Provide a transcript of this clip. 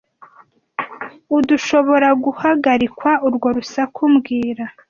Urdushoboraguhagarika urwo rusaku mbwira